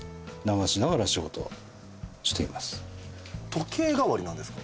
時計代わりなんですか？